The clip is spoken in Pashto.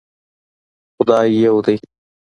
خدای يو دی